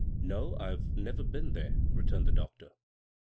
" No, I've never been there," returned the doctor.